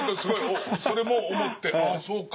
それも思ってああそうかって。